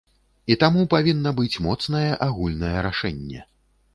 І таму павінна быць моцнае агульнае рашэнне.